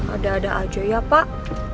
ada ada aja ya pak